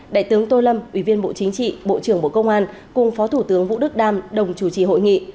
đại tướng tô lâm ủy viên bộ chính trị bộ trưởng bộ công an cùng phó thủ tướng vũ đức đam đồng chủ trì hội nghị